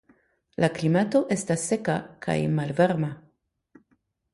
La klimato estas seka kaj malvarma.